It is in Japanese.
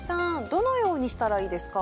どのようにしたらいいですか？